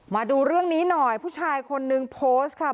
มาดูเรื่องนี้หน่อยผู้ชายคนนึงโพสต์ค่ะ